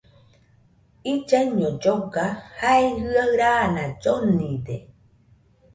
Illaiño lloga, jae jɨaɨ raana llonide